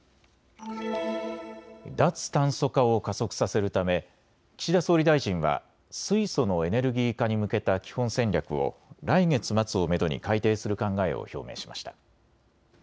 脱炭素化を加速させるため岸田総理大臣は水素のエネルギー化に向けた基本戦略を来月末をめどに改定する考えを表明しました。